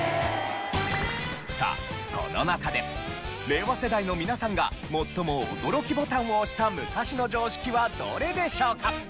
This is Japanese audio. さあこの中で令和世代の皆さんが最も驚きボタンを押した昔の常識はどれでしょうか？